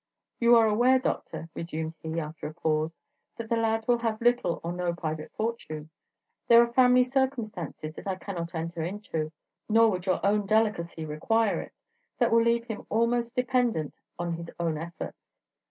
"You are aware, Doctor," resumed he, after a pause, "that the lad will have little or no private fortune. There are family circumstances that I cannot enter into, nor would your own delicacy require it, that will leave him almost dependent on his own efforts.